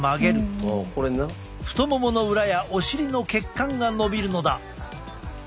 太ももの裏やお尻の血管がのびるのだ。